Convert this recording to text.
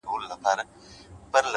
علم د تجربې نه لوړ ارزښت لري,